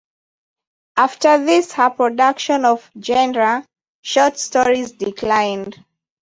After this her production of genre short stories declined.